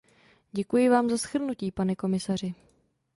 Děkuji vám za shrnutí, pane komisaři.